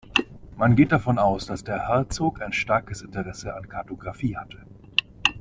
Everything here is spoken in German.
Man geht davon aus, dass der Herzog ein starkes Interesse an Kartografie hatte.